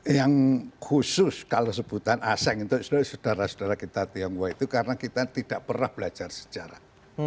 yang khusus kalau sebutan aseng itu saudara saudara kita tionghoa itu karena kita tidak pernah belajar sejarah